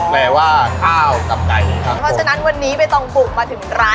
แปลว่าข้าวกับไก่นะครับเพราะฉะนั้นวันนี้ใบตองบุกมาถึงร้าน